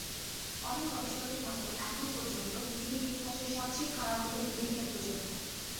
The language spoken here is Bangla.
অনেক গবেষকের মতে, এখন পর্যন্ত পৃথিবীর ইতিহাসে সবচেয়ে খারাপ হলো মিলেনিয়াল প্রজন্ম।